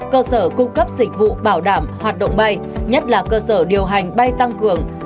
cơ sở cung cấp dịch vụ bảo đảm hoạt động bay nhất là cơ sở điều hành bay tăng cường